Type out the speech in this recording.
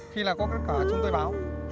khi là có các khả chúng tôi báo